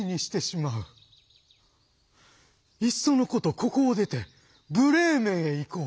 いっそのことここを出てブレーメンへ行こう！